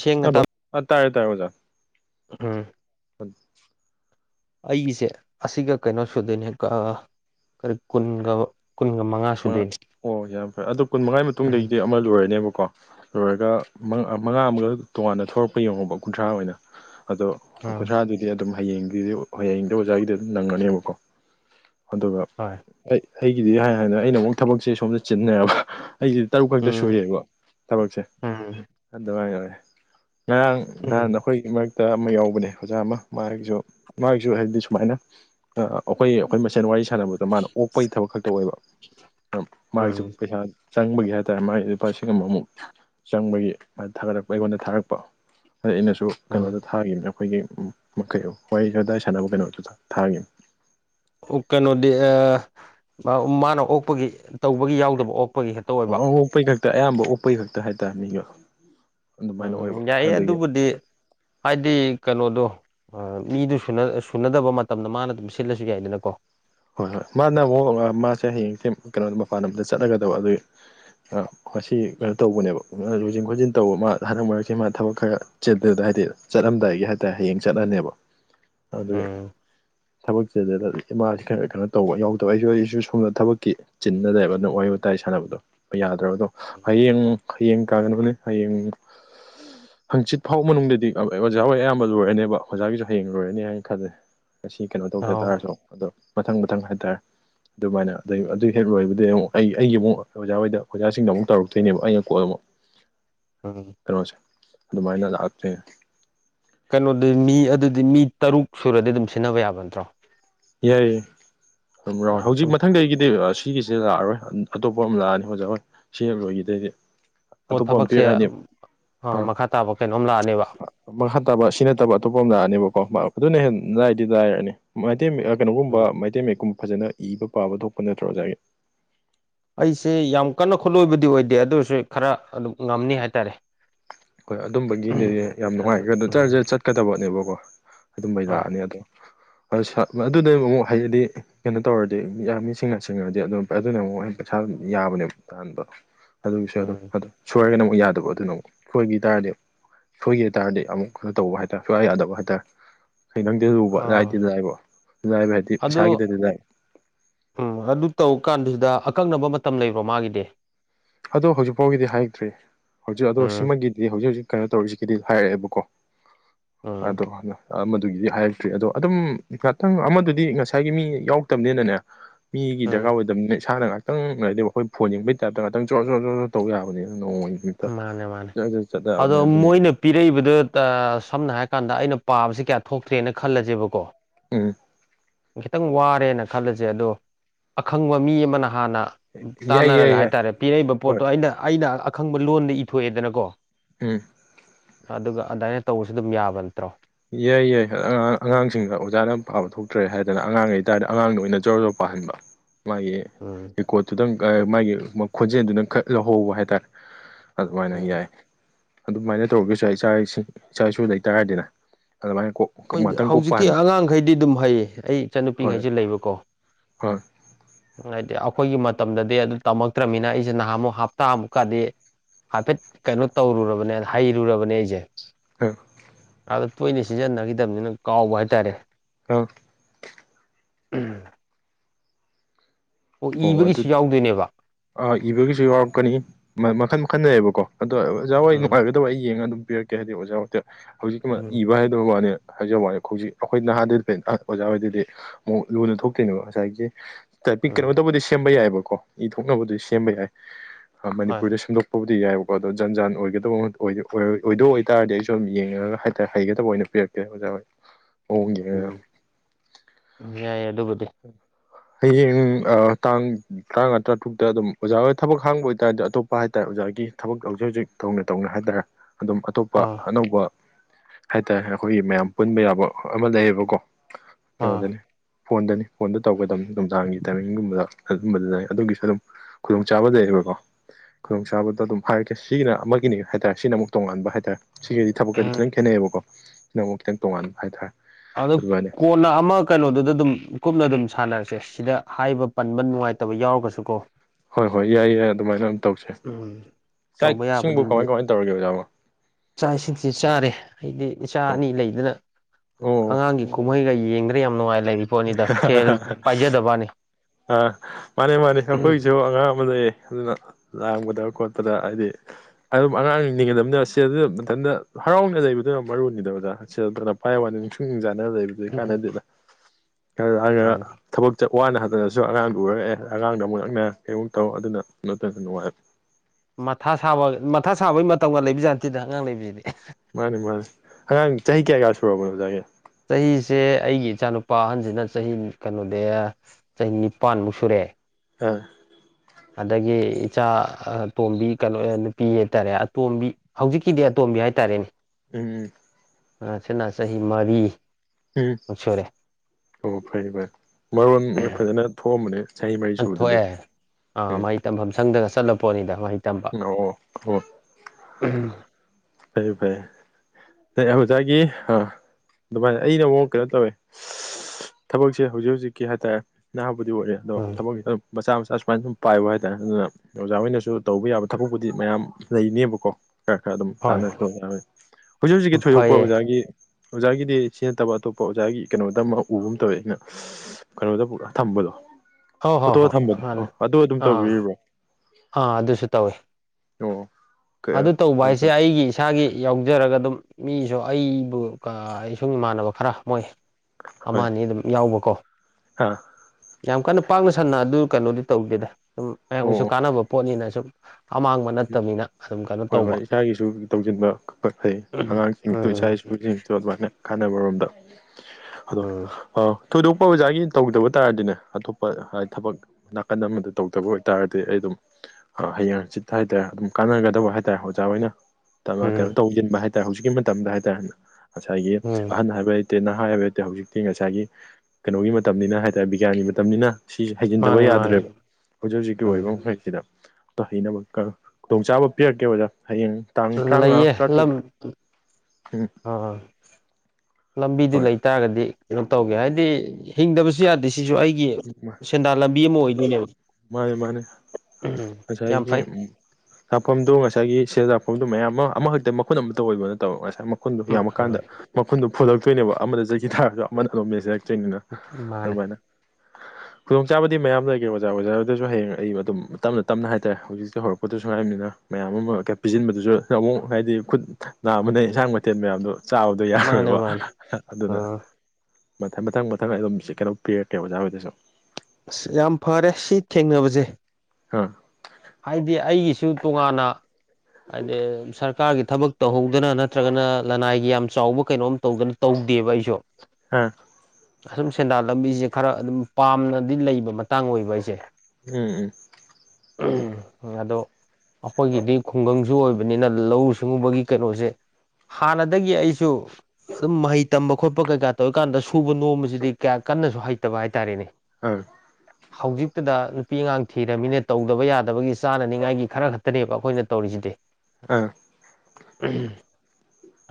ꯁꯦꯡꯅ ꯍꯜꯂꯣ ꯇꯥ ꯇꯥꯏꯌꯦ ꯇꯥꯏꯌꯦ ꯑꯣꯖꯥ ꯎꯝ ꯎꯝ ꯑꯩꯒꯤꯁꯦ ꯑꯁꯤꯒ ꯀꯩꯅꯣ ꯁꯨꯗꯣꯏꯅꯦ ꯀꯔꯤ ꯀꯨꯟꯒ ꯀꯨꯟꯒ ꯃꯉꯥ ꯥ ꯁꯨꯗꯣꯏꯅꯦ ꯑꯣ ꯌꯥ ꯌꯥꯝꯔ ꯐꯔꯦ ꯑꯗꯣ ꯀꯨꯟꯃꯉꯥ ꯎꯝ ꯃꯇꯨꯡꯗꯒꯤꯗꯤ ꯑꯃ ꯂꯣꯏꯔꯅꯦꯕꯀꯣ ꯂꯣꯏꯔꯒ ꯃ ꯃꯉꯥ ꯑꯃꯒ ꯇꯣꯉꯥꯟꯅ ꯊꯂꯛꯄ ꯌꯦꯡꯉꯣꯕ ꯀꯨꯟꯊ꯭ꯔꯥ ꯑꯣꯏꯅ ꯑꯗꯣ ꯎꯝ ꯀꯨꯟꯊ꯭ꯔꯥꯗꯨꯗꯤ ꯑꯗꯨꯝ ꯍꯌꯦꯡꯗꯨꯗꯤ ꯍꯌꯦꯡꯗ ꯑꯣꯖꯥꯒꯤꯗꯤ ꯑꯗꯨꯝ ꯅꯪꯒꯅꯦꯕꯀꯣ ꯑꯗꯨꯒ ꯍꯣꯏ ꯑꯩ ꯑꯩꯒꯤꯗꯤ ꯍꯥꯏ ꯍꯥꯏꯅꯦ ꯑꯩꯅ ꯑꯃꯨꯛ ꯊꯕꯛꯁꯦ ꯁꯣꯝꯗ ꯆꯤꯟꯅꯩꯕ ꯑꯩꯁꯤꯗꯤ ꯇꯔꯨꯛ ꯈꯛꯇ ꯎꯝ ꯁꯨꯔꯤꯦꯕ ꯊꯕꯛꯁꯦ ꯎꯝ ꯑꯗꯨꯃꯥꯏꯅ ꯑꯣꯏꯧꯔꯦ ꯉꯔꯥꯡ ꯎꯝ ꯅꯍꯥꯟ ꯗꯣ ꯑꯩꯈꯣꯏ ꯏꯃꯥꯒꯤ ꯇ ꯑꯃ ꯌꯥꯎꯕꯅꯦ ꯑꯣꯖꯥ ꯑꯃ ꯃꯥꯒꯤꯁꯨ ꯃꯥꯒꯤꯁꯨ ꯍꯥꯏꯗꯤ ꯁꯨꯃꯥꯏꯅ ꯑꯩꯈꯣꯏ ꯑꯩꯈꯣꯏ ꯃꯁꯦꯟ ꯋꯥꯔꯤ ꯁꯥꯟꯅꯕꯗ ꯃꯥꯅ ꯑꯣꯛꯄꯒꯤ ꯊꯕꯛ ꯈꯛꯇ ꯑꯣꯏꯕ ꯎꯝ ꯃꯥꯒꯤꯁꯨ ꯆꯪꯕꯒꯤ ꯍꯥꯏꯇꯥꯔꯦ ꯃꯥꯥꯏ ꯂꯨꯄꯥꯂꯤꯆꯤꯡ ꯑꯃꯃꯨꯛ ꯆꯪꯕꯒꯤ ꯊꯥꯒꯠꯂꯛꯄ ꯑꯩꯉꯣꯟꯗ ꯊꯥꯔꯛꯄ ꯑꯗꯩ ꯑꯩꯅꯁꯨ ꯀꯩꯅꯣꯗꯣ ꯎꯝ ꯊꯥꯈꯤꯕꯅꯤ ꯑꯩꯈꯣꯏꯒꯤꯩ ꯋꯥꯔꯤꯋꯥꯏ ꯁꯥꯟꯅꯕ ꯀꯩꯅꯣꯗꯨꯗ ꯊꯥꯈꯤꯕꯅꯤ ꯀꯩꯅꯣꯗꯤ ꯃꯥꯅ ꯑꯣꯛꯄꯒꯤ ꯇꯧꯕꯒꯤ ꯌꯥꯎꯗꯕ ꯑꯣꯛ ꯑꯣ ꯑꯣꯛꯄꯩ ꯈꯛꯇ ꯑꯌꯥꯝꯕ ꯑꯣꯛꯄꯩ ꯈꯛꯇ ꯍꯥꯏꯇꯥꯔꯦ ꯃꯤꯒ ꯑꯗꯨꯃꯥꯏꯅ ꯎꯝ ꯑꯣꯏꯕ ꯌꯥꯏꯌꯦ ꯑꯗꯨꯒꯤ ꯑꯗꯨꯕꯨꯗꯤ ꯍꯥꯏꯗꯤ ꯀꯩꯅꯣꯗꯣ ꯃꯤꯗꯨ ꯁꯨꯅꯗꯕ ꯃꯇꯝꯗ ꯃꯥꯅ ꯑꯗꯨꯝ ꯁꯤꯜꯂꯁꯨ ꯌꯥꯏꯗꯅꯀꯣ ꯍꯣꯏ ꯍꯣꯏ ꯃꯥꯅ ꯑꯃꯨꯛ ꯃꯥꯁꯦ ꯍꯌꯦꯡꯁꯦ ꯀꯩꯅꯣ ꯃꯄꯥꯟ ꯂꯝꯗ ꯆꯠꯂꯒꯗꯕ ꯑꯗꯨꯒꯤ ꯉ ꯀꯩꯅꯣ ꯇꯧꯕꯅꯦꯕ ꯑꯗꯨꯅ ꯂꯨꯁꯤꯟ ꯈꯣꯠꯆꯤꯟ ꯇꯧꯕ ꯃꯥ ꯍꯟꯗꯛ ꯃꯔꯛꯁꯤ ꯃꯥ ꯊꯕꯛ ꯈꯔ ꯆꯦꯟꯊꯗ ꯍꯥꯏꯇꯥꯦ ꯆꯠꯂꯝꯝꯗꯥꯏꯒꯤ ꯍꯥꯏꯇꯥꯔꯦ ꯍꯌꯦꯡ ꯆꯠꯅꯅꯦꯕ ꯑꯗꯨꯒ ꯎꯝ ꯊꯕꯛꯁꯤꯗ ꯏꯃꯥ ꯀꯩꯅꯣ ꯇꯧꯕ ꯌꯥꯎꯗꯕ ꯑꯩꯁꯨ ꯑꯩꯁꯨ ꯁꯣꯝꯗ ꯊꯕꯛꯀꯤ ꯆꯤꯟꯅꯗꯕ ꯑꯗꯨꯅ ꯑꯣꯏꯕ ꯇꯥꯏ ꯁꯥꯟꯅꯕꯗꯣ ꯌꯥꯗ꯭ꯔꯕ ꯑꯗꯣ ꯍꯌꯦꯡ ꯍꯌꯦꯡ ꯀꯥꯒꯕꯅꯦ ꯍꯌꯦꯡ ꯍꯪꯆꯤꯠ ꯐꯥꯎ ꯃꯅꯨꯡꯗꯗꯤ ꯑꯣꯖꯥ ꯍꯣꯏ ꯑꯌꯥꯝꯕ ꯂꯣꯏꯔꯅꯦꯕ ꯑꯣꯖꯥꯒꯤꯁꯨ ꯍꯌꯦꯡ ꯂꯣꯏꯔꯅꯤ ꯍꯥꯏꯅ ꯈꯜꯂꯦ ꯉꯁꯤ ꯀꯩꯅꯣ ꯇꯧꯗ ꯑꯥꯎ ꯇꯥꯔꯁꯨ ꯑꯗꯣ ꯃꯊꯪ ꯃꯊꯪ ꯍꯥꯏꯇꯥꯔꯦ ꯑꯗꯨꯃꯥꯏꯅ ꯑꯗꯨꯗꯩ ꯑꯗꯨ ꯍꯦꯛ ꯂꯣꯏꯕꯗꯤꯩ ꯑꯃꯨꯛ ꯑꯩꯒꯤ ꯑꯃꯨꯛ ꯑꯣꯖꯥ ꯍꯣꯏꯗ ꯑꯣꯖꯥꯁꯤꯡꯗ ꯑꯃꯨꯛ ꯇꯧꯔꯛꯇꯣꯏꯅꯦꯕ ꯑꯩꯅ ꯀꯣ ꯑꯃꯨꯛ ꯎꯝ ꯀꯩꯅꯣꯁꯦ ꯑꯗꯨꯃꯥꯏꯅ ꯂꯥꯛꯇꯦ ꯀꯩꯅꯣꯗꯨ ꯃꯤ ꯑꯗꯨꯗꯤ ꯃꯤ ꯇꯔꯨꯛ ꯁꯨꯔꯗꯤ ꯑꯗꯨꯝ ꯁꯤꯖꯤꯟꯅꯕ ꯌꯥꯕ ꯅꯠꯇ꯭ꯔꯣ ꯌꯥꯏꯌꯦꯔꯥꯎ ꯑ ꯍꯧꯖꯤꯛ ꯁꯨꯝ ꯃꯊꯪꯒꯤꯗꯤ ꯑꯁ ꯁꯤꯒꯤꯁꯦ ꯂꯥꯛꯑꯔꯣꯏ ꯑꯇꯣꯞꯄ ꯑꯃ ꯂꯥꯛꯑꯅꯤ ꯑꯣꯖꯥ ꯍꯣꯏ ꯁꯤ ꯂꯣꯏꯈꯤꯗꯩꯗꯤ ꯑꯣ ꯑꯇꯣꯞꯄ ꯑꯃ ꯊꯕꯛꯁꯦ ꯄꯤꯔꯛꯑꯅꯤ ꯑ ꯑꯥ ꯃꯈꯥ ꯇꯥꯕ ꯀꯩꯅꯣꯝ ꯂꯥꯛꯑꯅꯦꯕ ꯃꯈꯥ ꯇꯥꯕ ꯁꯤ ꯅꯠꯇꯕ ꯑꯇꯣꯞꯄ ꯑꯃ ꯂꯥꯛꯑꯅꯦꯕꯀꯣ ꯃ ꯑꯗꯨꯅ ꯍꯦꯟ ꯂꯥꯏꯗꯤ ꯂꯥꯏꯔꯅꯤ ꯃꯩꯇꯩꯌꯦꯛ ꯎꯝ ꯀꯩꯅꯣꯒꯨꯝꯕ ꯃꯩꯇꯩ ꯃꯌꯦꯛꯀꯨꯝꯕ ꯐꯖꯅ ꯏꯕ ꯄꯥꯕ ꯊꯣꯛꯄ ꯅꯠꯇ꯭ꯔꯣ ꯑꯣꯖꯥꯒꯤ ꯑꯩꯁꯦ ꯌꯥꯝ ꯀꯟꯅ ꯈꯨꯠꯂꯣꯏꯕꯗꯤ ꯑꯣꯏꯗꯦ ꯑꯗꯨ ꯑꯣꯏꯔꯁꯨ ꯈꯔ ꯑꯗꯨꯝ ꯉꯝꯅꯤ ꯍꯥꯏꯇꯥꯔꯦ ꯈꯣꯏ ꯑꯗꯨꯝꯕꯒꯤ ꯂꯩꯔꯦ ꯌꯥꯝ ꯍꯥꯏꯗꯤ ꯅꯨꯡꯉꯥꯏꯈꯦ ꯑꯗꯨ ꯎꯝ ꯆꯔꯖꯔ ꯆꯠꯀꯗꯕꯅꯦꯕꯀꯣ ꯑꯗꯨꯝꯕꯩ ꯍꯣꯏ ꯂꯥꯛꯑꯅꯦ ꯑꯗꯣ ꯑꯠꯁꯥ ꯃ ꯑꯗꯨꯗꯩ ꯑꯃꯨꯛ ꯍꯩꯔꯗꯤ ꯀꯩꯅꯣ ꯇꯧꯔꯗꯤ ꯌꯥ ꯃꯤꯁꯤꯡꯅ ꯁꯤꯡꯉꯗꯤ ꯑꯗꯨ ꯑꯗꯨꯅ ꯑꯃꯨꯛ ꯄꯩꯁꯥ ꯌꯥꯕꯅꯦꯕ ꯇꯥꯟꯕ ꯑꯗꯨꯒꯤꯁꯨ ꯑꯗꯨꯝ ꯎꯝ ꯑꯗꯨ ꯁꯣꯏꯔꯒꯅ ꯑꯃꯨꯛ ꯌꯥꯗꯕ ꯑꯗꯨꯅ ꯑꯃꯨꯛ ꯁꯣꯏꯒꯤ ꯇꯥꯔꯗꯤ ꯁꯣꯏꯒꯤ ꯇꯥꯔꯗꯤ ꯑꯃꯨꯛ ꯀꯩꯅꯣ ꯇꯧꯕ ꯍꯥꯏꯇꯥꯔꯦ ꯁꯨꯌꯥ ꯌꯥꯗꯕ ꯍꯥꯏꯇꯥꯔꯦ ꯍꯩ ꯅꯪ ꯂꯨꯕ ꯑꯥ ꯂꯥꯏꯗꯤ ꯂꯥꯏꯕ ꯂꯥꯏꯕ ꯍꯥꯏꯗꯤ ꯑꯗꯨ ꯄꯩꯁꯥꯒꯤꯗꯗꯤ ꯂꯥꯏ ꯎꯝ ꯑꯗꯨ ꯇꯧ ꯀꯥꯟꯗꯨꯗ ꯑꯀꯛꯅꯕ ꯃꯇꯝ ꯂꯩꯕ꯭ꯔꯣ ꯃꯥꯒꯤꯗꯤ ꯑꯗꯣ ꯍꯧꯖꯤꯛ ꯐꯥꯎꯒꯤꯗꯤ ꯍꯥꯏꯗ꯭ꯔꯤ ꯍꯧꯖꯤꯛ ꯑꯗꯣ ꯎꯝ ꯁꯤꯃꯛꯒꯤ ꯗꯤ ꯍꯧꯖꯤꯛ ꯍꯧꯖꯤꯛ ꯀꯩꯅꯣ ꯇꯧꯔꯤꯁꯤꯒꯤꯗꯤ ꯍꯥꯏꯔꯛꯑꯦꯕꯀꯣ ꯎꯝ ꯑꯗꯣ ꯑꯃꯗꯨꯒꯤꯗꯤ ꯍꯥꯏꯔꯛꯇ꯭ꯔꯤ ꯑꯗꯣ ꯑꯗꯨꯝ ꯉꯥꯛꯇꯪ ꯑꯃꯗꯨꯗꯤ ꯉꯁꯥꯏꯒꯤ ꯃꯤ ꯌꯥꯎꯔꯛꯇꯝꯅꯤꯅꯅꯦ ꯃꯤꯒꯤ ꯎꯝ ꯗꯔꯀꯥꯔ ꯑꯣꯏꯗꯕꯅꯤꯅ ꯏꯁꯥꯅ ꯉꯥꯛꯇꯪ ꯉꯥꯏꯗꯩꯕ ꯑꯩꯈꯣꯏ ꯐꯣꯟ ꯌꯦꯡꯕꯩ ꯇꯥꯏꯞꯇ ꯉꯥꯛ ꯈꯤꯇꯪ ꯆꯣꯔ ꯆꯣꯔ ꯆꯣ ꯆꯔꯣ ꯇꯧ ꯌꯥꯕꯅꯤ ꯅꯣꯡꯃꯒꯤ ꯅꯨꯃꯤꯠꯇ ꯖꯔꯥ ꯖꯔꯥ ꯆꯠ ꯌꯕꯅꯦ ꯑꯗꯨꯕꯨꯗꯤ ꯄꯤꯔꯛꯏꯕꯗꯨꯇ ꯁꯝꯅ ꯍꯥꯏꯔ ꯀꯥꯟꯗ ꯑꯩꯅ ꯄꯥꯕꯁꯦ ꯀꯌꯥ ꯊꯣꯛꯇ꯭ꯔꯦꯅ ꯈꯜꯂꯁꯦꯕꯀꯣ ꯎꯝ ꯈꯤꯇꯪ ꯋꯥꯔꯦꯅ ꯈꯜꯂꯖꯦ ꯑꯗꯣ ꯑꯈꯪꯕ ꯃꯤ ꯑꯃꯅ ꯍꯥꯟꯅ ꯌꯥꯏ ꯇꯥꯟꯅꯔꯒ ꯌꯥꯏ ꯌꯥꯏ ꯍꯥꯏꯇꯥꯔꯦ ꯄꯤꯔꯛꯏꯕ ꯍꯣꯏ ꯄꯣꯠꯇꯣ ꯑꯩꯅ ꯑꯩꯅ ꯑꯈꯪꯕ ꯂꯣꯟꯗ ꯏꯊꯣꯛꯑꯦꯗꯅꯀꯣ ꯎꯝ ꯑꯗꯨꯒ ꯑꯗꯥꯏꯅ ꯇꯧꯕꯁꯨ ꯑꯗꯨꯝ ꯌꯥꯕ ꯅꯠꯇ꯭ꯔꯣ ꯌꯥꯏ ꯌꯥꯏ ꯑꯉꯥꯡ ꯑꯉꯥꯡꯁꯤꯡꯗ ꯑꯣꯖꯥꯅ ꯄꯥꯕ ꯊꯣꯛꯇ꯭ꯔꯦ ꯍꯥꯏꯗꯅ ꯑꯉꯥꯡ ꯂꯩꯇꯥꯥꯔꯗꯤ ꯑꯉꯥꯡꯗ ꯑꯣꯏꯅ ꯖꯔꯣ ꯖꯔꯣ ꯄꯥꯍꯟꯕ ꯃꯥꯒꯤ ꯎꯝ ꯔꯦꯀꯣꯠꯇꯨꯗꯪ ꯒ ꯃꯥꯒꯤ ꯃ ꯈꯣꯟꯖꯦꯜꯗꯨꯅ ꯈꯔ ꯂꯧꯍꯧꯕ ꯍꯥꯏꯇꯥꯔꯦ ꯑꯗꯨꯃꯥꯏꯅ ꯎꯝ ꯌꯥꯏ ꯑꯗꯨꯃꯥꯏꯅ ꯇꯧꯒꯦꯁꯨ ꯌꯥꯏ ꯏꯆꯥ ꯏꯁꯤꯡ ꯏꯆꯥ ꯏꯁꯨ ꯂꯩꯇꯥꯔꯗꯤꯅꯦ ꯑꯗꯨꯃꯥꯥꯏꯅ ꯀꯣꯛ ꯃꯣꯏꯗꯤ ꯍꯧꯖꯤꯛꯀꯤ ꯑꯉꯥꯡꯈꯩꯗꯤ ꯑꯗꯨꯝ ꯍꯩꯌꯦ ꯑꯩ ꯍꯣꯏ ꯏꯆꯟꯅꯨꯄꯤꯈꯩꯁꯨ ꯂꯩꯕꯀꯣ ꯍꯣꯏ ꯍꯥꯏꯗꯤ ꯑꯈꯣꯏꯒꯤ ꯃꯇꯝꯗꯗꯤ ꯑꯗꯨ ꯇꯝꯃꯛꯇ꯭ꯔꯃꯤꯅ ꯑꯩꯖꯦ ꯅꯍꯥꯟꯃꯨꯛ ꯍꯞꯇꯥꯃꯨꯛꯀꯗꯤ ꯍꯥꯏꯐꯦꯠ ꯀꯩꯅꯣ ꯇꯧꯔꯨꯔꯕꯅꯦ ꯍꯩꯔꯨꯔꯕꯅꯦ ꯑꯩꯖꯦ [unintelligible] ꯑꯗ ꯇꯣꯏꯅ ꯁꯤꯖꯤꯟꯅꯒꯤꯗꯕꯅꯤꯅ ꯀꯥꯎꯕ ꯍꯥꯏꯇꯥꯔꯦ ꯑꯧ ꯎꯝ ꯑꯣ ꯏꯕꯒꯤꯁꯨ ꯌꯥꯎꯗꯣꯏꯅꯦꯕ ꯑꯥ ꯏꯕꯒꯤꯁꯨ ꯌꯥꯎꯔꯛꯀꯅꯤ ꯃꯈꯟ ꯃꯈꯟ ꯂꯩꯌꯦꯕꯀꯣ ꯑꯗꯣ ꯑꯣꯖꯥꯑꯣꯏ ꯎꯝ ꯅꯨꯡꯉꯥꯏꯒ ꯑꯗꯨ ꯑꯩ ꯌꯦꯡꯉ ꯑꯗꯨꯝ ꯄꯤꯔꯛꯀꯦ ꯍꯥꯏꯗꯤ ꯑꯣꯖꯥ ꯍꯥꯎꯛꯇꯤ ꯍꯧꯖꯤꯛꯀꯤꯃ ꯎꯝ ꯏꯕ ꯍꯥꯏꯗꯨꯕ ꯋꯥꯅꯤ ꯍꯥꯏꯖꯕ ꯋꯥꯅꯦ ꯈꯧꯖꯤꯛ ꯑꯩꯈꯣꯏ ꯅꯍꯥꯗꯗꯤ ꯐꯩ ꯑꯍ ꯑꯣꯖꯥ ꯍꯣꯏꯗꯗꯤ ꯑꯃꯨꯛ ꯂꯨꯅ ꯊꯣꯛꯇꯣꯏꯅꯦꯕ ꯉꯁꯥꯏꯒꯤ ꯇꯠ ꯎꯝ ꯀꯩꯅꯣ ꯇꯕꯨꯗꯤ ꯁꯦꯝꯕ ꯌꯥꯏꯕꯀꯣ ꯏ ꯊꯣꯛꯅꯕꯗꯨꯗꯤ ꯁꯦꯝꯕ ꯌꯥꯏ ꯑ ꯍꯣꯏ ꯃꯅꯤꯄꯨꯔꯗ ꯁꯦꯝꯗꯣꯛ ꯄꯕꯨꯗꯤ ꯌꯥꯏꯕꯀꯣ ꯑꯗꯣ ꯖꯟꯖꯥꯟ ꯑꯣꯏꯒꯗꯕ [unintelligible] ꯑꯣꯏꯗꯤ ꯑꯣꯏꯔꯣꯏ ꯑꯣꯏꯗꯧ ꯑꯣꯏꯇꯥꯔꯗꯤ ꯑꯩꯁꯨ ꯑꯗꯨꯝ ꯌꯦꯡꯅꯔꯒ ꯍꯥꯏꯇꯥꯔꯦ ꯍꯩꯒꯗꯕ ꯑꯣꯏꯅ ꯄꯤꯔꯛ ꯀꯦ ꯑꯣꯖꯥꯍꯣꯏ [inaudible] ꯎꯝ ꯎꯝ ꯌꯥꯏ ꯑꯗꯨꯕꯨꯗꯤ ꯍꯌꯦꯡ ꯑꯥ ꯇꯥꯡ ꯇ꯭ꯔꯥꯉꯥ ꯇ꯭ꯔꯥꯇꯔꯨꯛꯇ ꯑꯗꯨꯝ ꯑꯣꯖꯥ ꯍꯣꯏ ꯊꯕꯛ ꯍꯥꯡꯕ ꯑꯣꯏꯇꯥꯔꯗꯤ ꯑꯇꯣꯞ ꯄꯥ ꯍꯥꯏꯇꯥꯔꯦ ꯑꯣꯖꯥꯒꯤ ꯊꯕꯛ ꯍꯧꯖꯤꯛ ꯍꯧꯖꯤꯛ ꯇꯧꯅ ꯇꯧꯅ ꯍꯥꯏꯇꯥꯔꯦ ꯑꯗꯨꯝ ꯑꯇꯣꯞꯄ ꯑꯥ ꯑꯅꯧꯕ ꯍꯥꯏꯇꯥꯔꯦ ꯑꯈꯣꯏꯒꯤ ꯃꯌꯥꯝ ꯄꯨꯟꯕ ꯌꯥꯕ ꯑꯃ ꯂꯩꯌꯦꯕꯀꯣ ꯑꯥ ꯀꯩꯅꯣꯗꯅꯤ ꯐꯣꯟꯗꯅꯤ ꯐꯣꯟꯗ ꯇꯧꯒꯗꯕꯅꯤ ꯅꯨꯡꯗꯥꯡꯒꯤ ꯇꯥꯏꯃꯤꯡꯒꯨꯝꯕꯗ ꯑꯗꯨꯝꯕꯗꯨꯅ ꯑꯗꯨꯒꯤꯁꯨ ꯑꯗꯨꯝ ꯈꯨꯗꯣꯡꯆꯥꯥꯕ ꯂꯩꯕꯀꯣ ꯈꯨꯗꯣꯡꯆꯥꯥꯕꯗꯣ ꯑꯗꯨꯝ ꯍꯥꯏꯔꯛꯀꯦ ꯁꯤꯒꯤꯅ ꯑꯃꯒꯤꯅꯤ ꯍꯥꯏꯇꯥꯔꯦ ꯁꯤꯅ ꯑꯃꯨꯛ ꯇꯣꯉꯥꯟꯕ ꯍꯥꯏꯇꯥꯔꯦ ꯁꯤꯒꯗꯤ ꯊꯕꯛꯀꯗꯤ ꯎꯝ ꯈꯤꯇ ꯈꯦꯠꯅꯩꯑꯕꯀꯣ ꯁꯤꯅ ꯑꯃꯨꯛ ꯈꯤꯇꯪ ꯇꯣꯉꯥꯟꯕ ꯍꯥꯏꯇꯥꯔꯦ ꯑꯗꯣ ꯑꯗꯨꯃꯥꯏꯅ ꯀꯣꯟꯅ ꯑꯃ ꯀꯩꯅꯣꯗꯨꯗ ꯑꯗꯨꯝ ꯀꯨꯞꯅ ꯑꯗꯨꯝ ꯁꯥꯟꯅꯔꯁꯦ ꯁꯤꯗ ꯍꯥꯏꯕ ꯄꯟꯕ ꯅꯨꯡꯉꯥꯏꯇꯕ ꯌꯥꯎꯔꯒꯁꯨ ꯀꯣ ꯍꯣꯏ ꯍꯣꯏ ꯌꯥꯏ ꯌꯥꯏ ꯑꯗꯨꯃꯥꯏꯅ ꯑꯗꯨꯝ ꯇꯧꯁꯦ ꯎꯝ ꯆꯥꯛ ꯇꯧꯕ ꯏꯁꯤꯡꯕꯨ ꯀꯃꯥꯏ ꯌꯥꯕꯗꯨꯗꯤ ꯀꯃꯥꯏꯅ ꯇꯧꯔꯒꯦ ꯑꯣꯖꯥꯕꯣ ꯆꯥꯛ ꯏꯁꯤꯡꯁꯤ ꯆꯥꯔꯦ ꯑꯩꯗꯤ ꯏꯆꯥ ꯑꯣ ꯑꯅꯤ ꯂꯩꯗꯅ ꯑꯣ ꯑꯉꯥꯡꯒꯤ ꯀꯨꯝꯍꯩꯒ ꯌꯦꯡꯗꯅ ꯌꯥꯝ ꯅꯨꯡꯉꯥꯏ ꯂꯩꯔꯤ ꯄꯣꯠꯅꯤꯗ ꯁꯦꯜ [unintelligible] ꯄꯥꯏꯖꯗꯕꯅꯤ ꯑꯥ ꯃꯥꯅꯦ ꯃꯥꯅꯦ ꯑꯩꯈꯣꯏꯒꯤꯁꯨ ꯑꯉꯥꯡ ꯑꯃ ꯂꯩꯌꯦ ꯑꯗꯨꯅ ꯂꯥꯡꯕꯗ ꯈꯣꯠꯄꯗ ꯍꯥꯏꯗꯤ ꯑꯗꯨꯝ ꯑꯉꯥꯡ ꯅꯤꯡꯒꯗꯕꯅꯦ ꯁꯤ ꯑꯗꯨ ꯃꯊꯟꯇ ꯍꯔꯥꯎꯅ ꯂꯩꯕꯗꯨꯅ ꯃꯔꯨꯅꯤꯗꯕ ꯑꯣꯖꯥ ꯁꯦꯜ ꯐꯅ ꯄꯥꯏ ꯋꯥꯅꯤ ꯅꯨꯡꯁꯨꯛ ꯅꯨꯡꯖꯥꯅꯅ ꯂꯩꯕꯗꯨꯒꯤ ꯀꯥꯟꯅꯗꯦꯗ ꯑꯗꯨ [unintelligible] ꯊꯕꯛ ꯆ ꯋꯥꯅ ꯍꯂꯛꯑꯁꯨ ꯑꯉꯥꯡꯗꯨ ꯎꯔꯒ ꯑꯦ ꯑꯉꯥꯡꯗ ꯑꯃꯨꯛ ꯂꯛꯅ ꯀꯔꯤꯃꯨꯛ ꯇꯧ ꯑꯗꯨꯅ ꯀꯩꯅꯣ ꯇꯧꯅ ꯅꯨꯡꯉꯥꯏꯕ ꯃꯊꯥ ꯁꯥꯕ ꯃꯊꯥ ꯁꯥꯕꯩ ꯃꯇꯝꯒ ꯂꯩꯕꯖꯥꯠ ꯅꯠꯇꯦꯗ ꯑꯉꯥꯡ ꯂꯩꯕꯖꯤꯗꯤ ꯃꯥꯅꯤ ꯃꯥꯅꯤ ꯑꯉꯥꯡ ꯆꯍꯤ ꯀꯌꯥ ꯀꯌꯥ ꯁꯨꯔꯕꯅꯣ ꯑꯣꯖꯥꯒꯤ ꯆꯍꯤꯁꯦ ꯑꯩꯒꯤ ꯏꯆꯥꯅꯨꯄꯥ ꯑꯍꯟꯁꯤꯅ ꯆꯍꯤ ꯀꯩꯅꯣꯗꯤ ꯆꯍꯤ ꯅꯤꯄꯥꯟꯃꯨꯛ ꯁꯨꯔꯦ ꯑꯥ ꯑꯗꯒꯤ ꯏꯆꯥ ꯑꯇꯣꯝꯕꯤ ꯀꯩꯅꯣ ꯅꯨꯄꯤ ꯍꯥꯏꯇꯥꯔꯦ ꯑꯇꯣꯝꯕꯤ ꯍꯧꯖꯤꯛꯀꯤꯗꯤ ꯑꯇꯣꯝꯕꯤ ꯍꯥꯏꯇꯥꯔꯦꯅꯦ ꯎꯝ ꯎꯝ ꯑꯁꯤꯅ ꯆꯍꯤ ꯃꯔꯤ ꯎꯝ ꯑꯣ ꯐꯔ ꯐꯔ ꯃꯔꯣꯟ ꯐꯖꯅ ꯊꯣꯛꯑꯝꯕꯅꯦ ꯆꯍꯤ ꯃꯔꯤ ꯁꯨꯕꯗꯨꯗꯤ ꯊꯣꯛꯑꯦ ꯑꯥ ꯃꯥꯏ ꯎꯝ ꯇꯝꯐꯝ ꯁꯪꯗꯒ ꯆꯠꯂ ꯄꯣꯠꯅꯤꯗ ꯃꯥꯏ ꯑꯣ ꯑꯣ ꯐ ꯐꯥꯏ ꯅ ꯑꯣꯖꯥꯒꯤ ꯑꯗꯨꯃꯥꯏꯅ ꯑꯩꯅ ꯑꯃꯨꯛ ꯀꯩꯅꯣ ꯇꯧꯋꯦ ꯊꯕꯛꯁꯦ ꯍꯧꯖꯤꯛ ꯍꯧꯖꯤꯛꯀꯤ ꯍꯥꯏꯇꯥꯔꯦ ꯅꯍꯥꯕꯨꯗꯤ ꯑꯣꯏꯔꯦ ꯑꯗꯣ ꯎꯝ ꯊꯕꯛꯀꯤ ꯃꯆꯥ ꯃꯆꯥ ꯁꯨꯃꯥꯏꯅ ꯁꯨꯝ ꯄꯥꯏꯕ ꯍꯥꯏꯇꯥꯔꯦ ꯑꯗꯨꯅ ꯑꯣꯖꯥ ꯍꯣꯏꯅꯁꯨ ꯇꯧꯕ ꯌꯥꯕ ꯊꯕꯛꯄꯨꯗꯤ ꯃꯌꯥꯝ ꯂꯩꯅꯦꯕꯀꯣ ꯈꯔ ꯈꯔ ꯑꯗꯨꯝ ꯍꯣꯏ ꯇꯥꯟꯅ ꯌꯥꯋꯣꯏ ꯍꯧꯖꯤꯛ ꯍꯧꯖꯤꯛꯀꯤ ꯊꯣꯏꯗꯣꯛꯄ ꯐꯩꯌꯦ ꯑꯣꯖꯥꯒꯤ ꯑꯣꯖꯥꯒꯤꯗꯤ ꯁꯤ ꯅꯠꯇꯕ ꯑꯇꯣꯞꯄ ꯑꯣꯖꯥꯒꯤ ꯀꯩꯅꯣꯗ ꯑꯃ ꯎꯕ ꯑꯃ ꯇꯧꯋꯦ ꯑꯩꯅ ꯀꯩꯅꯣꯗ ꯄꯨꯔꯥ ꯊꯝꯕꯗꯣ ꯍꯣꯏ ꯍꯣꯏ ꯐꯣꯇꯣꯗ ꯍꯣꯏ ꯊꯝꯕꯗꯣ ꯃꯥꯅꯦ ꯑꯣ ꯑꯗꯨ ꯑꯗꯨꯝ ꯑꯥ ꯇꯧꯕꯤꯔꯤꯕ꯭ꯔꯣ ꯑꯥ ꯑꯗꯨꯁꯨ ꯇꯧꯋꯤ ꯑꯣ ꯑꯗꯨ ꯇꯧꯕ ꯌꯥꯝ ꯍꯥꯏꯁꯦ ꯐꯩ ꯑꯩꯒꯤ ꯏꯁꯥꯒꯤ ꯌꯥꯎꯖꯔꯒ ꯑꯗꯨꯝ ꯃꯤꯁꯨ ꯑꯩꯕꯨ ꯑꯩ ꯁꯨꯡ ꯏꯃꯥꯟꯅꯕ ꯈꯔ ꯃꫭꯏ ꯍꯣꯏ ꯑꯃꯥꯅꯤ ꯑꯗꯨꯝ ꯌꯥꯎꯕꯀꯣ ꯑꯥ ꯌꯥꯝ ꯀꯟꯅ ꯄꯥꯛꯅ ꯁꯟꯅ ꯑꯗꯨ ꯀꯩꯅꯣꯗꯤ ꯇꯧꯗꯦꯗ ꯁꯨꯝ ꯑꯣ ꯃꯌꯥꯝꯒꯤꯁꯨ ꯑꯣ ꯀꯥꯟꯅꯕ ꯄꯣꯠꯅꯤꯅ ꯁꯨꯝ ꯑꯃꯥꯡꯕ ꯅꯠꯇꯕꯅꯤꯅ ꯑꯗꯨꯝ ꯀꯩꯅꯣ ꯍꯣꯏ ꯍꯣꯏ ꯇꯧꯕ ꯏꯁꯆꯥꯒꯤꯁꯨ ꯇꯧꯁꯤꯟꯕ ꯐꯩ ꯎꯝ ꯑꯉꯥꯡꯁꯤꯡꯁꯨ ꯎꯝ ꯏꯆꯥ ꯏꯁꯨꯁꯤꯡꯁꯨ ꯑꯗꯨꯃꯥꯏꯅ ꯀꯥꯟꯅꯕꯔꯣꯝꯗ ꯑꯗꯣ ꯎꯝ ꯑ ꯊꯣꯏꯗꯣꯛꯄ ꯑꯣꯖꯥꯒꯤ ꯇꯧꯗꯕ ꯇꯥꯔꯗꯤꯅꯦ ꯑꯇꯣꯞꯄ ꯊꯕꯛ ꯅꯥꯀꯟ ꯑꯃꯗ ꯇꯧꯗꯕ ꯑꯣꯏꯇꯥꯔꯗꯤ ꯑꯩ ꯑꯗꯨꯝ ꯍꯌꯦꯡ ꯍꯥꯏꯇꯥꯔꯦ ꯑꯗꯨꯝ ꯀꯥꯟꯅꯒꯗꯕ ꯍꯥꯏꯇꯥꯔꯦ ꯑꯣꯖꯥ ꯑꯣꯏꯅ ꯎꯝ ꯀꯩꯅꯣ ꯇꯧꯁꯤꯟꯕ ꯍꯥꯏꯇꯥꯔꯦ ꯍꯥꯏꯦ ꯍꯧꯖꯤꯛꯀꯤ ꯃꯇꯝꯗ ꯍꯥꯏꯇꯥꯔꯦ ꯉꯁꯥꯏꯒꯤ ꯎꯝ ꯑꯍꯟ ꯍꯥꯏꯕ ꯅꯠꯇꯦꯅ ꯍꯥꯏꯕꯗꯤ ꯍꯧꯖꯤꯛꯇꯤ ꯉꯁꯥꯏꯒꯤ ꯀꯩꯅꯣꯒꯤ ꯃꯇꯝꯅꯤꯅ ꯍꯥꯏꯇꯥꯔꯦ ꯕꯤꯒ꯭ꯌꯥꯟꯒꯤ ꯃꯇꯝꯅꯤꯅ ꯁꯤꯁꯦ ꯍꯩꯖꯤꯟꯗꯕ ꯃꯥꯅꯤ ꯃꯥꯅꯤ ꯌꯥꯗ꯭ꯔꯦꯕ ꯍꯧꯖꯤꯛ ꯍꯧꯖꯤꯛꯀꯤ ꯎꯝ ꯑꯣꯏꯕ ꯃꯈꯩꯁꯤꯗ ꯑꯝꯇ ꯍꯩꯅꯕ ꯈꯨꯗꯣꯡꯆꯥꯕ ꯄꯤꯔꯛꯀꯦ ꯑꯣꯖꯥ ꯍꯌꯦꯡ ꯇꯥꯡ ꯇꯔꯥꯃꯉꯥ ꯂꯩꯌꯦ ꯂꯝ ꯇꯔꯥꯇꯔꯨꯛ ꯎꯝ ꯑ ꯂꯝꯕꯤꯗꯨ ꯍꯣꯏ ꯂꯩꯇꯥꯥꯔꯒꯗꯤ ꯀꯩꯅꯣ ꯇꯧꯒꯦ ꯍꯥꯏꯗꯤ ꯍꯤꯡꯗꯕꯁꯨ ꯌꯥꯗꯦ ꯁꯤꯁꯨ ꯑꯩꯒꯤ ꯁꯦꯟꯗꯥꯟ ꯂꯝꯕꯤ ꯑꯃ ꯑꯣꯏꯗꯣꯏꯅꯦꯕ ꯃꯥꯅꯦ ꯃꯥꯅꯦ ꯎꯝ ꯑꯁꯥꯏ ꯌꯥꯝ ꯐꯩ ꯂꯥꯛꯐꯝꯗꯨꯣ ꯉꯁꯥꯏꯒꯤ ꯁꯦꯜ ꯇꯥꯛꯐꯝꯗꯨ ꯃꯌꯥꯝ ꯑꯃꯈꯛꯇ ꯃꯈꯨꯟ ꯑꯃꯇ ꯑꯣꯏꯕ ꯅꯠꯇꯕ ꯉꯁꯥꯏ ꯃꯈꯨꯗꯨ ꯌꯥꯝꯃ ꯀꯥꯟꯗ ꯃꯈꯨꯗꯨꯣ ꯐꯣꯂꯛꯇꯣꯏꯅꯦꯕ ꯑꯃꯗ ꯆꯠꯈꯤ ꯇꯥꯔꯁꯨ ꯑꯃꯅ ꯑꯗꯨꯣꯝ ꯃꯦꯁꯛ ꯆꯩꯤꯡꯅꯤꯅ ꯃꯥꯅꯦ ꯑꯗꯨꯃꯥꯏꯅ ꯈꯨꯗꯣꯡꯆꯥꯥꯕꯗꯤ ꯃꯌꯥꯝ ꯂꯩꯒꯦ ꯑꯣꯖꯥ ꯑꯣꯖꯥꯗꯁꯨ ꯍꯌꯦꯡ ꯑꯩ ꯑꯗꯨꯝ ꯇꯞꯅ ꯇꯞꯅ ꯍꯥꯏꯇꯥꯔꯦ ꯍꯧꯖꯤꯛꯇꯤ ꯍꯧꯔꯛꯄꯗꯁꯨ ꯉꯥꯏꯔꯕꯅꯤꯅ ꯃꯌꯥꯝ ꯑꯃ ꯄꯤꯁꯤꯟꯕꯗꯨꯁꯨ ꯑꯃꯨꯛ ꯍꯥꯏꯗꯤ ꯈꯨꯠ ꯅꯥꯕꯅ ꯑꯦꯟꯁꯥꯡ ꯃꯊꯦꯜ ꯃꯌꯥꯝꯗꯣ ꯆꯥꯕꯗꯣ ꯃꯥꯅꯦ ꯌꯥꯔꯣꯏꯕ ꯃꯥꯅꯦ ꯑꯗꯨꯅ ꯑꯥ ꯃꯊꯪ ꯃꯊꯪ ꯃꯊꯪ ꯑꯩ ꯑꯗꯨꯝ ꯀꯩꯅꯣ ꯄꯤꯔꯛꯀꯦ ꯑꯣꯖꯥ ꯍꯣꯏꯗꯁꯨ ꯑꯁ ꯌꯥꯝ ꯐꯔꯦ ꯁꯤ ꯊꯦꯡꯅꯕꯁꯦ ꯍꯥꯥ ꯍꯥꯏꯗꯤ ꯑꯩꯒꯤꯁꯨ ꯇꯣꯉꯥꯟꯅ ꯍꯥꯏꯗꯤ ꯁꯔꯀꯥꯔꯒꯤ ꯊꯕꯛ ꯇꯧꯍꯧꯗꯅ ꯅꯠꯇ꯭ꯔꯒꯅ ꯂꯅꯥꯏꯒꯤ ꯌꯥꯝ ꯆꯥꯎꯕ ꯀꯩꯅꯣꯝ ꯇꯧꯗꯅ ꯇꯧꯗꯦꯕ ꯑꯩꯁꯨ ꯍꯥꯝ ꯑꯁꯨꯝ ꯁꯦꯟꯗꯥꯟ ꯂꯝꯕꯤꯁꯦ ꯈꯔ ꯑꯗꯨꯝ ꯄꯥꯝꯅꯗꯤ ꯂꯩꯕ ꯃꯇꯥꯡ ꯑꯣꯏꯕ ꯑꯩꯁꯦ ꯎꯝ ꯎꯝ ꯑꯗꯣ ꯑꯩꯈꯣꯏꯒꯤꯗꯤ ꯈꯨꯡꯒꯪꯁꯨ ꯑꯣꯏꯕꯅꯤꯅ ꯂꯧꯎ ꯁꯤꯡꯎꯕꯒꯤ ꯀꯩꯅꯣꯁꯦ ꯍꯥꯟꯅꯗꯒꯤ ꯑꯩꯁꯨ ꯑꯗꯨꯝ ꯃꯍꯩ ꯇꯝꯕ ꯈꯣꯠꯄ ꯀꯩꯀꯥ ꯇꯧꯔꯤꯀꯥꯟꯗ ꯁꯨꯕ ꯅꯣꯝꯕꯁꯤꯗꯤ ꯀꯌꯥ ꯀꯟꯅꯁꯨ ꯍꯩꯇꯕ ꯍꯥꯏꯇꯥꯔꯦꯅꯦ ꯎꯝ ꯍꯧꯖꯤꯛꯇꯗ ꯅꯨꯄꯤ ꯑꯉꯥꯡ ꯊꯤꯔꯃꯤꯅ ꯇꯧ ꯇꯧꯗꯕ ꯌꯥꯗꯕꯒꯤ ꯆꯥꯅꯅꯤꯡꯉꯥꯏꯒꯤ ꯈꯔ ꯈꯛꯇꯅꯦꯕ ꯑꯩꯈꯣꯏꯅ ꯇꯧꯔꯤꯁꯤꯗꯤ ꯑꯥ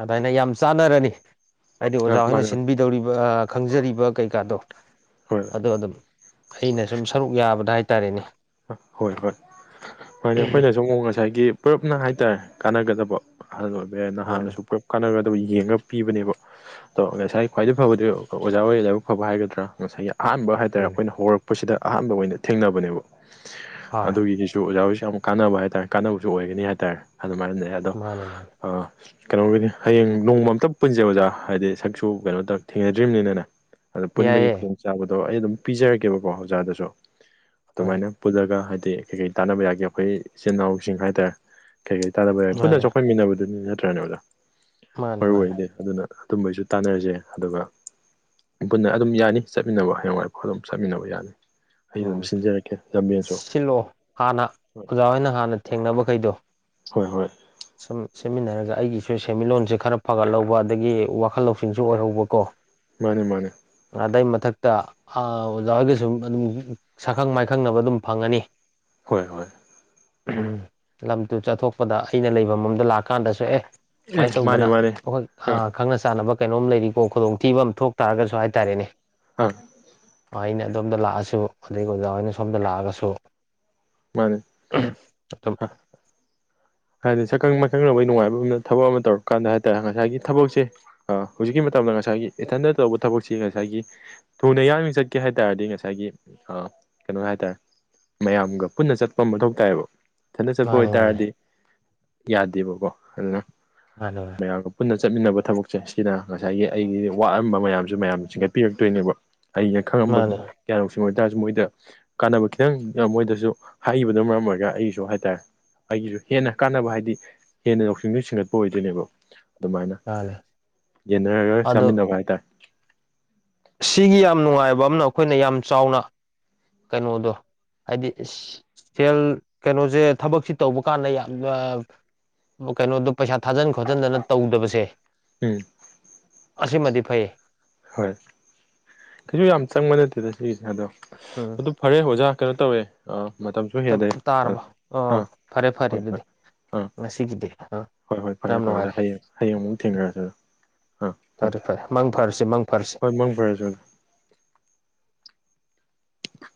ꯑꯗꯨꯃꯥꯏꯅ ꯌꯥꯝ ꯆꯥꯅꯔꯅꯤ ꯍꯥꯏꯗꯤ ꯑꯥ ꯑꯣꯖꯥ ꯍꯅ ꯃꯥꯅꯦ ꯁꯤꯟꯕꯤ ꯀꯩꯗꯧꯔꯤꯕ ꯈꯪꯖꯔꯤꯕ ꯀꯩꯀꯥꯗꯣ ꯍꯣꯏ ꯑꯗ ꯑꯗꯨꯝ ꯑꯩꯅ ꯁꯨꯝ ꯁꯔꯨꯛ ꯌꯥꯕꯗ ꯍꯥꯏꯇꯥꯔꯦꯅꯦ ꯍꯣꯏ ꯍꯣꯏ ꯍꯣꯏꯅꯦ ꯑꯩꯈꯣꯏꯅ ꯁꯨꯝ ꯉꯁꯥꯏꯒꯤ ꯄꯨꯂꯞꯅ ꯍꯥꯏꯇꯥꯔꯦ ꯀꯥꯟꯅꯒꯗꯕ ꯑꯍꯜ ꯑꯣꯏꯕ ꯌꯥꯏ ꯃꯥꯅꯦ ꯅꯍꯥꯟꯅꯁꯨ ꯄꯨꯂꯞ ꯀꯥꯟꯅꯒꯗꯕ ꯌꯦꯡꯉꯒ ꯄꯤꯕꯅꯦꯕ ꯑꯗ ꯉꯁꯥꯏꯒꯤ ꯈ꯭ꯋꯥꯏꯗꯒꯤ ꯐꯕꯗꯤ ꯑꯣꯖꯥ ꯋꯥꯔꯤ ꯂꯥꯏꯕꯛ ꯐꯕ ꯍꯥꯏꯒꯗ꯭ꯔꯥ ꯉꯁꯥꯏꯒꯤ ꯑꯍꯥꯟꯕ ꯍꯥꯏꯇꯥꯔꯦ ꯎꯝ ꯑꯩꯈꯣꯏꯅ ꯍꯧꯔꯛꯄꯁꯤꯗ ꯑꯍꯥꯟꯕ ꯑꯣꯏꯅ ꯊꯦꯡꯅꯕꯅꯦꯕ ꯍꯣꯏ ꯑꯗꯨꯒꯤ ꯍꯧ ꯑꯣꯖꯥꯣꯏꯁꯨ ꯌꯥꯝ ꯀꯥꯟꯅꯕ ꯍꯥꯏꯇꯥꯥꯔꯦ ꯀꯥꯟꯅꯕꯁꯨ ꯑꯣꯏꯒꯅꯤ ꯍꯥꯏꯇꯥꯥꯔꯦ ꯑꯗꯨꯃꯥꯏꯅ ꯂꯩ ꯑꯗꯣ ꯃꯥꯅꯦ ꯃꯥꯅꯦ ꯀꯩꯅꯣꯒꯤꯅꯤ ꯍꯌꯦꯡ ꯅꯣꯡꯃ ꯑꯝꯇ ꯄꯨꯟꯖꯩ ꯑꯣꯖꯥ ꯍꯥꯏꯗꯤ ꯁꯛꯁꯨ ꯀꯩꯅꯣꯗ ꯊꯦꯡꯅꯗ꯭ꯔꯤꯕꯅꯤꯅꯅꯦ ꯑꯗꯣ ꯄꯨꯟꯕꯒꯤ ꯌꯥꯏꯌꯦ ꯈꯨꯗꯣꯡꯆꯥꯥꯕꯗꯣ ꯑꯩ ꯑꯗꯨꯝ ꯄꯤꯖꯔꯛꯀꯦꯕꯀꯣ ꯑꯣꯖꯥꯗꯁꯨ ꯍꯣꯏ ꯑꯗꯨꯃꯥꯏꯅ ꯄꯨꯂꯒ ꯍꯥꯏꯗꯤ ꯀꯩꯀꯩ ꯇꯥꯟꯅꯕ ꯌꯥꯒꯦ ꯑꯩꯈꯣꯏ ꯏꯆꯤꯟꯜ ꯏꯅꯥꯎꯁꯤꯡ ꯍꯥꯏꯇꯥꯔꯦ ꯀꯩ ꯀꯩ ꯇꯥꯟꯅꯕ ꯌꯥꯏ ꯄꯨꯟꯅ ꯃꯥꯅꯦ ꯆꯥꯎꯈꯠꯃꯤꯟꯅꯕꯗꯨꯅꯤ ꯅꯠꯇ꯭ꯔꯅꯦ ꯑꯣꯗ ꯃꯥꯅꯦ ꯃꯔꯨ ꯃꯥꯅꯦ ꯑꯣꯏꯗꯦ ꯑꯗꯨꯅ ꯑꯗꯨꯝꯕꯩꯁꯨ ꯇꯥꯟꯅꯔꯁꯦ ꯑꯗꯨꯒ ꯄꯨꯟꯅ ꯑꯗꯨꯝ ꯌꯥꯅꯤ ꯆꯠꯃꯤꯟꯅꯕ ꯍꯌꯦꯡꯋꯥꯏꯔꯐ ꯑꯗꯨꯝ ꯆꯠꯃꯤꯟꯅꯕ ꯌꯥꯅꯤ ꯑꯩ ꯑꯗꯨꯝ ꯎꯝ ꯁꯤꯟꯖꯔꯛꯀꯦ ꯂꯝꯕꯦꯟꯁꯨ ꯁꯤꯜꯂꯛꯑꯣ ꯍꯥꯟꯅ ꯍꯣꯏ ꯑꯣꯖꯥ ꯍꯣꯏꯅ ꯍꯥꯟꯅ ꯊꯦꯡꯅꯕꯈꯩꯗꯣ ꯍꯣꯏ ꯍꯣꯏ ꯁ ꯁꯦꯝꯃꯤꯟꯅꯔꯒ ꯑꯩꯒꯤꯁꯨ ꯁꯦꯟꯃꯤꯠꯂꯣꯟꯁꯦ ꯈꯔ ꯐꯒꯠꯍꯧꯕ ꯑꯗꯒꯤ ꯋꯥꯈꯜ ꯂꯧꯁꯤꯡꯁꯨ ꯑꯣꯏꯍꯧꯕꯀꯣ ꯃꯥꯅꯦ ꯃꯥꯅꯦ ꯑꯗꯩ ꯃꯊꯛꯇ ꯑꯣꯖꯥ ꯍꯣꯏꯒ ꯁꯨꯝ ꯑꯗꯨꯝ ꯁꯛꯈꯪ ꯃꯥꯏꯈꯪꯅꯕ ꯑꯗꯨꯝ ꯐꯪꯉꯅꯤ ꯍꯣꯏ ꯍꯣꯏ ꯎꯝ ꯇꯨ ꯆꯠꯊꯣꯛꯄꯗ ꯑꯩꯅ ꯂꯩꯕ ꯃꯝꯗ ꯂꯥꯛꯀꯥꯟꯗꯁꯨ ꯑꯦ ꯑꯦ ꯁꯨꯃꯥꯏꯅ ꯃꯥꯅꯦ ꯇꯧꯗꯅ ꯃꯥꯅꯦ ꯑꯩꯈꯣꯏ ꯑ ꯑꯥ ꯈꯪꯅ ꯆꯥꯟꯅꯕ ꯀꯩꯅꯣꯝ ꯂꯩꯔꯤꯀꯣ ꯈꯨꯗꯣꯡꯊꯤꯕ ꯑꯃ ꯊꯣꯛ ꯇꯥꯔꯒꯁꯨ ꯍꯥꯏꯇꯥꯔꯦꯅꯦ ꯑ ꯑꯩꯅ ꯑꯗꯣꯝꯗ ꯂꯥꯛꯑꯁꯨ ꯑꯗꯒꯤ ꯑꯣꯖꯥ ꯍꯣꯏꯅ ꯁꯣꯝꯗ ꯂꯥꯛꯑꯒꯁꯨ ꯃꯥꯅꯦ ꯑꯥ ꯑ ꯍꯥꯏꯗꯤ ꯁꯛꯈꯪ ꯃꯥꯏꯈꯪꯕꯒꯤ ꯅꯨꯡꯉꯥꯏꯕ ꯑꯃ ꯊꯕꯛ ꯑꯃ ꯇꯧꯔꯀꯥꯟꯗ ꯍꯥꯏꯇꯥꯔꯦ ꯉꯁꯥꯏꯒꯤ ꯊꯕꯛꯁꯦ ꯍꯧꯖꯤꯛꯀꯤ ꯃꯇꯝꯗ ꯉꯁꯥꯏꯒꯤ ꯏꯊꯟꯗ ꯇꯧꯕ ꯊꯕꯛꯁꯤ ꯉꯁꯥꯏꯒꯤ ꯊꯨꯅ ꯌꯥꯡꯅ ꯆꯠꯀꯦ ꯍꯥꯏ ꯇꯥꯔꯗꯤ ꯉꯁꯥꯏꯒꯤ ꯀꯩꯅꯣ ꯍꯥꯏꯇꯥꯔꯦ ꯃꯌꯥꯝꯒ ꯄꯨꯟꯅ ꯆꯠꯄ ꯑꯃ ꯃꯊꯧ ꯇꯥꯏꯕ ꯏꯊꯟꯗ ꯆꯠꯄ ꯃꯥꯅꯦ ꯃꯥꯅꯦ ꯑꯣꯏꯇꯥꯔꯗꯤ ꯌꯥꯗꯦꯕꯀꯣ ꯑꯗꯨꯅ [unintelligible] ꯃꯌꯥꯝꯒ ꯄꯨꯟꯅ ꯆꯠꯃꯤꯟꯅꯕ ꯊꯕꯛꯁꯦ ꯁꯤꯅ ꯉꯁꯥꯏꯒꯤ ꯑꯩꯒꯤ ꯋꯥꯠꯔꯝꯕ ꯃꯌꯥꯝꯁꯨ ꯃꯌꯥꯝꯅ ꯆꯤꯡꯈꯠꯄꯤꯔꯛꯇꯣꯏꯅꯦꯕ ꯑꯩꯅ ꯈꯪꯉꯝꯕ ꯃꯥꯅꯦ ꯀꯒ꯭ꯌꯥꯅꯣꯛꯁꯤꯡ ꯑꯣꯏꯇꯥꯥꯔꯁꯨ ꯃꯣꯏꯗ ꯀꯥꯟꯅꯕ ꯈꯤꯇꯪ ꯃꯣꯏꯗꯁꯨ ꯍꯥꯏꯕꯅ ꯃꯔꯝ ꯑꯣꯏꯔꯒ ꯑꯩꯒꯤꯁꯨ ꯍꯥꯏꯇꯥꯔꯦ ꯑꯩꯒꯤꯁꯨ ꯍꯦꯟꯅ ꯀꯥꯟꯅꯕ ꯍꯥꯏꯗꯤ ꯍꯦꯟꯅ ꯂꯧꯁꯤꯡꯗꯨ ꯁꯤꯡꯒꯠꯄ ꯑꯣꯏꯗꯣꯏꯅꯦꯕ ꯑꯗꯨꯃꯥꯏꯅ ꯃꯥꯅꯦ ꯌꯦꯟꯅꯔꯒ ꯑꯗꯣ ꯆꯥꯃꯤꯟꯅꯕ ꯍꯥꯏꯇꯥꯔꯦ ꯁꯤꯒꯤ ꯌꯥꯝ ꯅꯨꯡꯉꯥꯏꯕ ꯑꯃꯅ ꯑꯩꯈꯣꯏꯅ ꯌꯥꯝ ꯆꯥꯎꯅ ꯀꯩꯅꯣꯗꯣ ꯍꯥꯏꯗꯤ ꯏꯁ ꯁꯦꯜ ꯀꯩꯅꯣꯁꯦ ꯊꯕꯛꯁꯦ ꯇꯧꯕ ꯀꯥꯟꯗ ꯌꯥꯝ ꯀꯩꯅꯣꯗꯣ ꯄꯩꯁꯥ ꯊꯥꯖꯟ ꯈꯣꯠꯆꯤꯟꯗꯅ ꯇꯧꯗꯕꯁꯦ ꯎꯝ ꯑꯁꯤꯃꯗꯤ ꯐꯩꯌꯦ ꯍꯣꯏ ꯀꯩꯁꯨ ꯌꯥꯝ ꯆꯪꯕ ꯅꯠꯇꯦꯗ ꯁꯤꯒꯤꯁꯤꯅꯗꯣ ꯎꯝ ꯑꯗꯨ ꯐꯔꯦ ꯑꯣꯖꯥ ꯀꯩꯅꯣ ꯇꯧꯋꯦ ꯑ ꯃꯇꯝ ꯇꯥꯔꯕ ꯑꯣ ꯐꯔꯦ ꯐꯔꯦ ꯍꯣꯏ ꯍꯣꯏ ꯑꯗꯨꯗꯤ ꯑꯥ ꯉꯁꯤꯒꯤꯗꯤ ꯑꯥ ꯍꯣꯏ ꯍꯣꯏ ꯐꯔꯦ ꯌꯥꯝ ꯐꯔꯦ ꯑꯣ ꯅꯨꯡꯉꯥꯏꯔꯦ ꯍꯌꯦꯡ ꯍꯌꯦꯡ ꯑꯃꯨꯛ ꯊꯦꯡꯅꯔꯁꯤꯦ ꯑꯗꯨ ꯑꯥ ꯊꯝꯃꯦ ꯐꯔꯦ ꯊꯝꯃꯦ ꯐꯔꯦ ꯃꯥꯡ ꯐꯔꯁꯤ ꯃꯥꯡ ꯐꯔꯁꯤꯦ ꯍꯣꯏ ꯃꯪꯈꯔꯁꯨ ꯑ